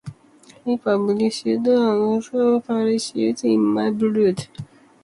He published an autobiography, "Politics in my Blood".